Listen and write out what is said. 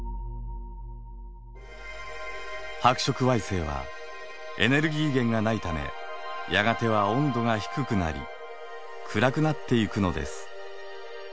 白色矮星はエネルギー源がないためやがては温度が低くなり暗くなっていくのです。